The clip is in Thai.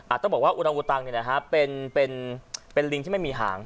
ต้องบอกว่าอุรังอุตังเนี่ยนะฮะเป็นเป็นลิงที่ไม่มีหาง